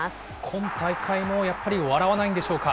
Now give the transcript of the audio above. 今大会もやっぱり笑わないんでしょうか。